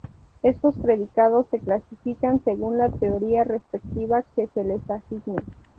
Estos predicados se clasifican según la teoría respectiva que se les asigne.